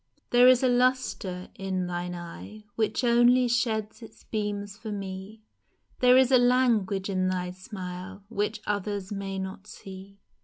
THERE is a lustre in thine eye Which only sheds its beams for me, There is a language in thy smile Which others may not see